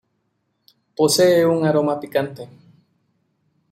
Posee un aroma picante.